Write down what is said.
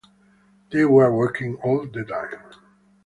They were working all the time.